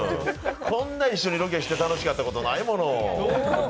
こんな一緒にロケして楽しかったことないもの。